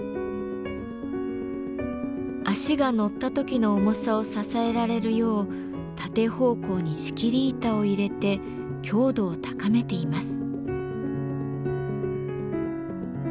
足が乗った時の重さを支えられるよう縦方向に仕切り板を入れて強度を高めています。